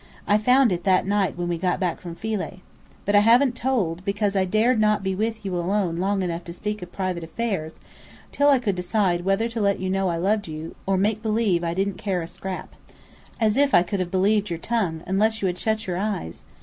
I found it that night when we got back from Philae. But I haven't told, because I dared not be with you alone long enough to speak of private affairs, till I could decide whether to let you know I loved you, or make believe I didn't care a scrap." "As if I could have believed your tongue, unless you had shut your eyes!